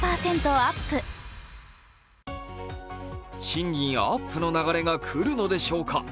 賃金アップの流れが来るのでしょうか。